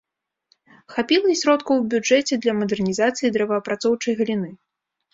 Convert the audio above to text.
Хапіла і сродкаў у бюджэце для мадэрнізацыі дрэваапрацоўчай галіны.